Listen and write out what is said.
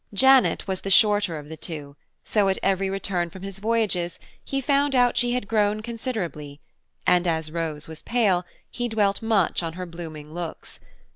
Janet was the shorter of the two, so at every return from his voyages he found out she had grown considerably, and as Rose was pale, he dwelt much on her blooming looks.